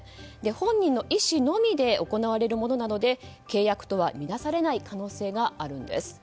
本人の意思のみで行われるものなので契約とはみなされない可能性があるんです。